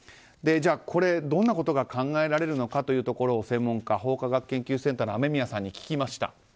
これ、どんなことが考えられるのかというところ専門家、法科学研究センターの雨宮さんに聞きました。